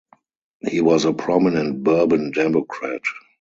He was a prominent Bourbon Democrat.